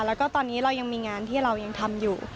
แล้วก็ตอนนี้เรายังมีงานที่เรายังทำอยู่